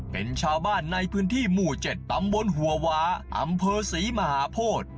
เป็นชาวบ้านในพื้นที่หมู่๗ตำบลหัววาอำเภอศรีมหาโพธิ